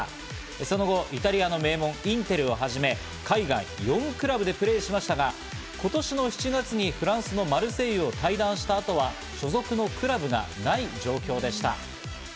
その後イタリアの名門インテルをはじめ、海外４クラブでプレーしましたが、今年の７月にフランスのマルセイユを退団した後は所属のクラブがない状況でした。